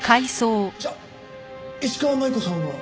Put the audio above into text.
じゃあ石川真悠子さんは。